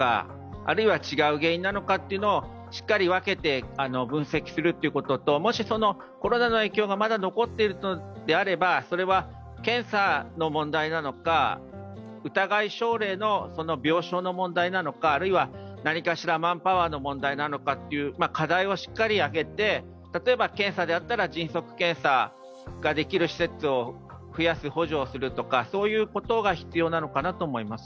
あるいは違う原因なのかをしっかり分けて分析するということと、もし、そのコロナの影響がまだ残っているのであればそれは検査の問題なのか、疑い症例の病床の問題なのかあるいは何かしらマンパワーの問題なのかという課題をしっかり挙げて、例えば、検査であったら迅速検査ができる施設を増やす補助をするとかそういうことが必要なのかなと思います。